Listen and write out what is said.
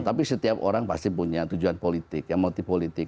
tapi setiap orang pasti punya tujuan politik yang multi politik